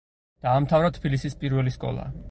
დაამთავრა თბილისის პირველი სკოლა.